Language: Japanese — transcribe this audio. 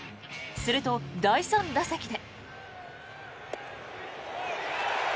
すると、第３打席で。